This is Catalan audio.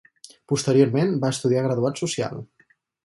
Posteriorment va estudiar graduat social.